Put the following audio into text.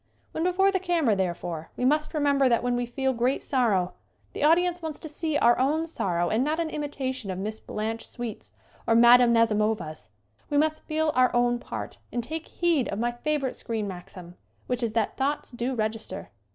When before the camera, therefore, we must remember that when we feel great sorrow the audience wants to see our own sorrow and not an imitation of Miss Blanche Sweet's or Mme. Nazimova's. We must feel our own part and take heed of my favorite screen maxim, which is that thoughts do register.